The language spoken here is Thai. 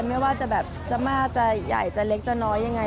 ไม่ว่าจะมาใหญ่จะเล็กจะน้อยยังไง